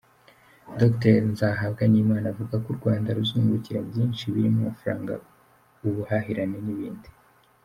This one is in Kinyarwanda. Dr Nzahabwanimana avuga ko u Rwanda ruzungukira byinshi birimo amafaranga, ubuhahirane n’ibindi.